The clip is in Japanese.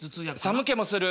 寒気もする。